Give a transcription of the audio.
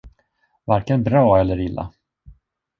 Varken bra eller illa.